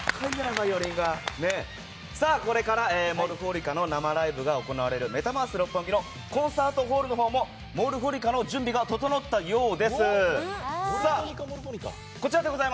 これからＭｏｒｆｏｎｉｃａの生ライブが行われるメタバース六本木のコンサートホールのほうもＭｏｒｆｏｎｉｃａの準備が整ったようです。